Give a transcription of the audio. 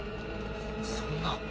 そんな。